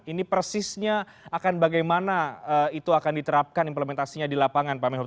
ini persisnya akan bagaimana itu akan diterapkan implementasinya di lapangan pak menhut